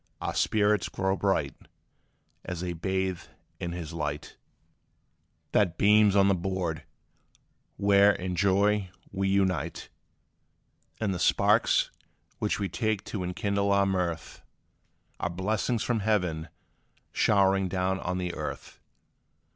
Our spirits grow bright As they bathe in his light, That beams on the board where in joy we unite: And the sparks, which we take to enkindle our mirth, Are blessings from heaven showering down on the earth.